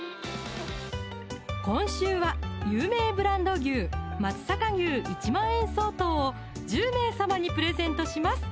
今週は有名ブランド牛松阪牛１万円相当を１０名様にプレゼントします